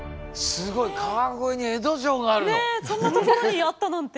ねっそんなところにあったなんて。